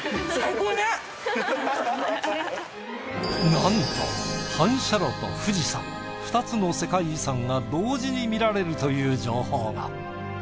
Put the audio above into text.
なんと反射炉と富士山２つの世界遺産が同時に見られるという情報が。